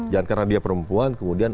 jangan karena dia perempuan kemudian